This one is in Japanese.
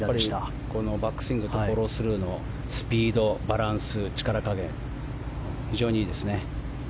バックスイングとフォロースルーのスピード、バランス、力加減非常にいいですね。